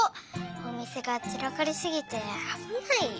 おみせがちらかりすぎてあぶないよ。